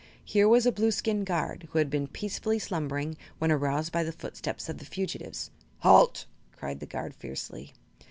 Here was a Blueskin guard, who had been peacefully slumbering when aroused by the footsteps of the fugitives. "Halt!" cried the guard, fiercely.